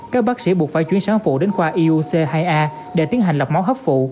các bác sĩ buộc phải chuyển sản phụ đến khoa euc hai a để tiến hành lọc máu hấp phụ